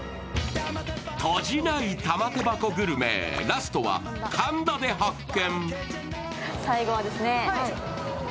閉じない玉手箱グルメ、ラストは神田で発見。